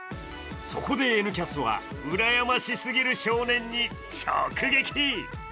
そこで「Ｎキャス」はうらやましすぎる少年に直撃。